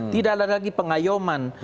tidak ada lagi pengayuman